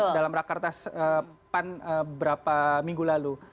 dalam rak kertas pan beberapa minggu lalu